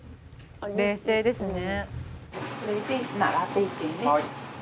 冷静ですね。